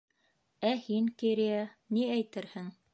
Ә һин, Керея, ни әйтерһең?